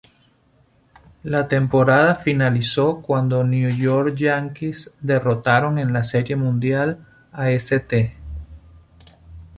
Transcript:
La temporada finalizó cuando New York Yankees derrotaron en la Serie Mundial a St.